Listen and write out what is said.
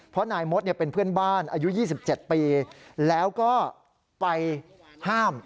เพราะนายมดเป็นเพื่อนบ้านอายุ๒๗ปีแล้วก็ไปห้าม